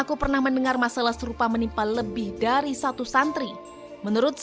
kemudian dia juga bilang